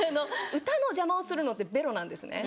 歌の邪魔をするのってベロなんですね。